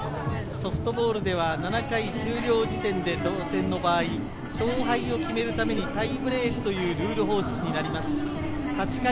ソフトボールでは７回終了時点で同点の場合、勝敗を決めるためにタイブレークというルール方式になります。